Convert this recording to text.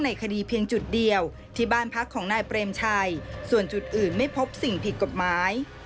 ในคดีเพียงจุดเดียวที่บ้านพักของนายเปรมชัยส่วนจุดอื่นไม่พบสิ่งผิดกฎหมาย